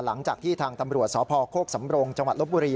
หลังจากที่ทางตำรวจสพโคกสำรงจังหวัดลบบุรี